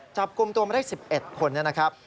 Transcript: จับกลุ่มตัวมาได้๑๑คนนะครับ